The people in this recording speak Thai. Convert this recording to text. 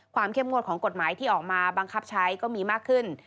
เข้มงวดของกฎหมายที่ออกมาบังคับใช้ก็มีมากขึ้น